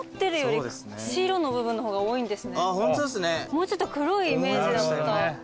もうちょっと黒いイメージだった。